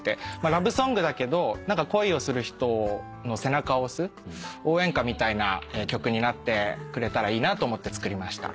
ラブソングだけど恋をする人の背中を押す応援歌みたいな曲になってくれたらいいなと思って作りました。